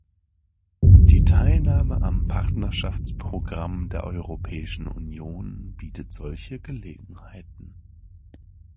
Die Teilnahme am Partnerschaftsprogramm der Europäischen Union bietet solche Gelegenheiten.